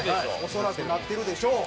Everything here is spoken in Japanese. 恐らくなってるでしょう。